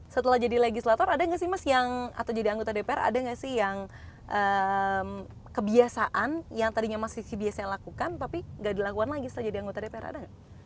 setelah jadi legislator ada gak sih mas yang atau jadi anggota dpr ada gak sih yang kebiasaan yang tadinya masih si biasa yang lakukan tapi gak dilakukan lagi setelah jadi anggota dpr ada gak